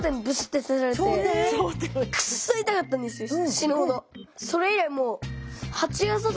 死ぬほど。